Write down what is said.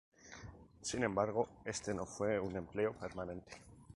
Sin embargo, este no fue un empleo permanente.